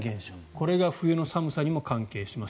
これが冬の寒さにも関係します。